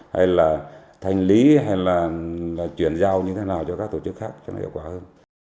hay là thanh lý hay là chuyển giao như thế nào cho các tổ chức khác cho nó hiệu quả hơn